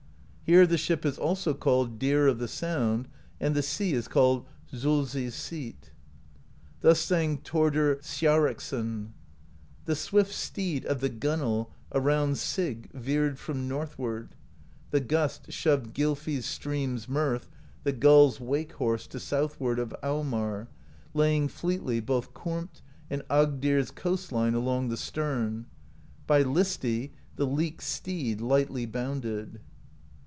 Here the ship is also called Deer of the Sound; and the Sea is called Solsi's Seat. Thus sang Thordr Sjareksson: The swift Steed of the Gunwale Around Sigg veered from northward, The gust shoved Gylfi's Stream's Mirth, The Gull's Wake Horse, to southward Of Aumar, laying fleetly Both Kormt and Agdir's coastline Along the stern; by Listi The Leek's Steed lightly bounded.